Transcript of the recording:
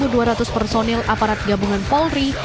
dengan dua ribu dua ratus personil aparat gabungan polri